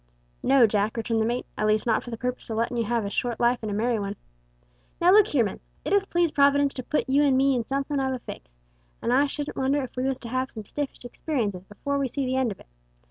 "No, Jack," returned the mate; "at least not for the purpose o' lettin' you have a short life an' a merry one. Now, look here, men: it has pleased Providence to putt you an' me in something of a fix, and I shouldn't wonder if we was to have some stiffish experiences before we see the end of it.